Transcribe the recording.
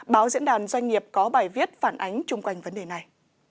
báo diễn đàn doanh nghiệp có bài viết phản ánh chung quanh vấn đề này